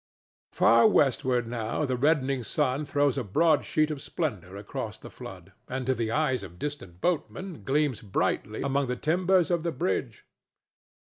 Far westward now the reddening sun throws a broad sheet of splendor across the flood, and to the eyes of distant boatmen gleams brightly among the timbers of the bridge.